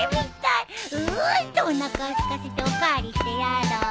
うんとおなかをすかせてお代わりしてやろう。